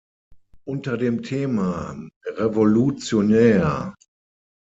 Unter dem Thema: „Revolutionär!